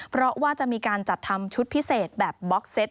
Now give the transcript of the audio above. เพราะว่าจะมีการจัดทำชุดพิเศษแบบบล็อกเซต